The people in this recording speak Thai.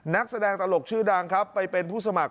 นักแสดงตลกชื่อดังครับไปเป็นผู้สมัคร